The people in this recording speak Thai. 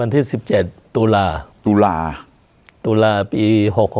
วันที่๑๗ตุลาตุลาปี๖๖